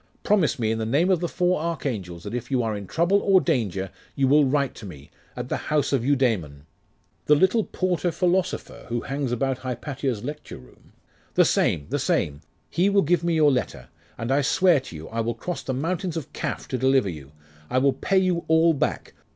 Promise me, in the name of the four archangels, that if you are in trouble or danger, you will write to me, at the house of Eudaimon.' 'The little porter philosopher, who hangs about Hypatia's lecture room?' 'The same, the same. He will give me your letter, and I swear to you, I will cross the mountains of Kaf, to deliver you! I will pay you all back.